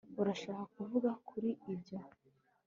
urashaka kuvuga kuri ibyo